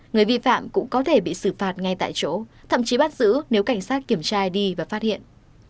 người vi phạm cũng có thể bị xử phạt ngay tại chỗ thậm chí bắt giữ nếu cảnh sát kiểm tra đi và phát hiện